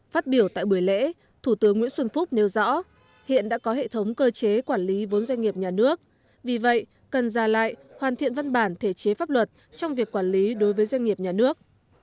phát biểu tại buổi lễ thủ tướng nguyễn xuân phúc nêu rõ hiện đã có hệ thống cơ chế quản lý vốn doanh nghiệp nhà nước vì vậy cần ra lại hoàn thiện văn bản thể chế pháp luật trong việc quản lý đối với doanh nghiệp nhà nước